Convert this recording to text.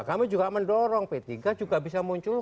nah kami juga mendorong p tiga juga bisa munculkan